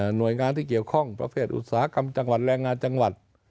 หน่วยงานที่เกี่ยวข้องประเภทอุตสาหกรรมจังหวัดแรงงานจังหวัด